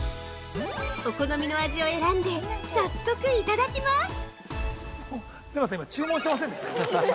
お好みの味を選んで、早速いただきます！！